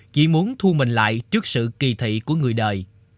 chỉ muốn thu mình lại trước sự kỳ thị của người đời